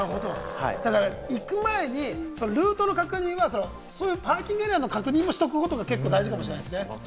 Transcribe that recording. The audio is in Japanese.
だから行く前にルートの確認はそういうパーキングエリアの確認もしておくことが大事かもしれませんね。